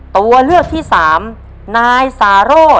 ตัวเลือกที่สามนายซาโร่